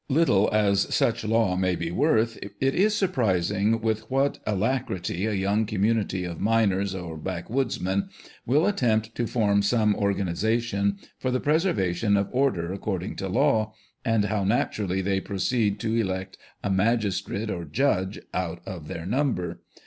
Little as such law may be worth, it is sur prising with what alacrity a young community of miners or backwoodsmen will attempt to form some organisation for the preservation of order according to law, and how naturally they proceed to elect a magistrate or "Judge " out of their number.